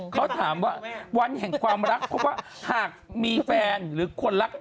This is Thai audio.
เขาถามว่าวันแห่งความรักเพราะว่าหากมีแฟนหรือคนรัก